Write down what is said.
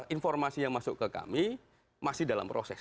informasi yang masuk ke kami masih dalam proses